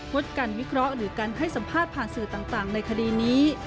ดการวิเคราะห์หรือการให้สัมภาษณ์ผ่านสื่อต่างในคดีนี้